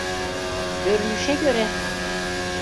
Görünüşe göre.